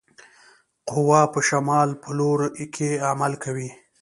قوه په شمال په لوري کې عمل کوي.